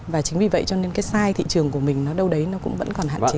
và chính vì vậy cho nên cái side thị trường của mình nó đâu đấy nó cũng vẫn còn hạn chế